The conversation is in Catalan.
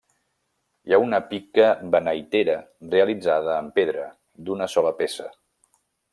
Hi ha una pica beneitera, realitzada en pedra, d'una sola peça.